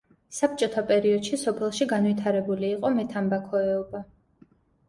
საბჭოთა პერიოდში სოფელში განვითარებული იყო მეთამბაქოეობა.